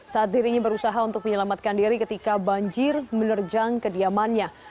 saat dirinya berusaha untuk menyelamatkan diri ketika banjir menerjang kediamannya